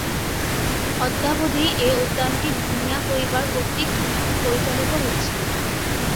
অদ্যাবধি এ উদ্যানটি মিয়া পরিবার কর্তৃক পরিচালিত হচ্ছে।